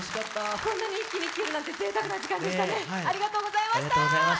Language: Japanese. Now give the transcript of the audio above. こんなに一気に聴けるなんて贅沢な時間でしたね。